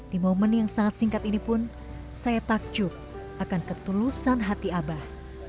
di momen yang sangat singkat ini pun saya takjub akan ketulusan hati abah